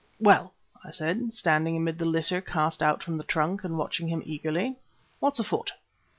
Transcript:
"Well," I said, standing amid the litter cast out from the trunk, and watching him eagerly, "what's afoot?"